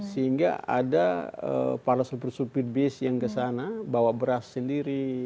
sehingga ada para super super beast yang ke sana bawa beras sendiri